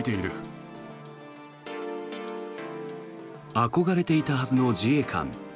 憧れていたはずの自衛官。